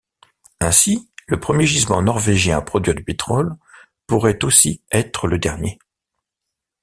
Ainsi, le premier gisement norvégien à produire du pétrole pourrait aussi être le dernier.